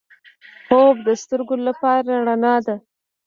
خوب د سترګو لپاره رڼا ده